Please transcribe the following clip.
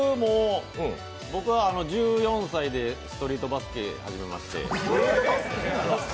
僕は、１４歳でストリートバスケ始めまして。